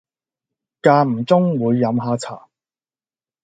間唔中會飲吓茶